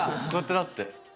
こうやってなって。